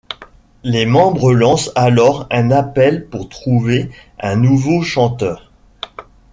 Les membres lancent alors un appel pour trouver un nouveau chanteur.